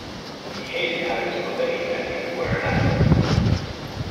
He hated having to obey as if he were an animal.